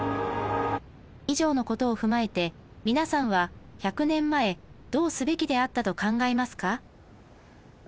以上のことを踏まえて皆さんは１００年前どうすべきであったと考えますか？